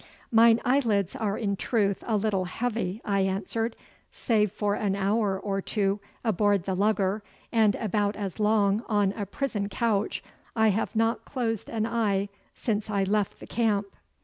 'Mine eyelids are in truth a little heavy,' I answered. 'Save for an hour or two aboard the lugger, and about as long on a prison couch, I have not closed eye since I left the camp.